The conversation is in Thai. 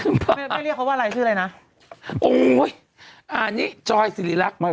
ไม่ไม่เรียกเขาว่าอะไรชื่ออะไรนะโอ้ยอ่านี่จอยสิริรักษ์มา